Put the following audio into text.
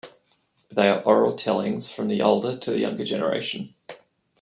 They are oral tellings from older to the younger generation.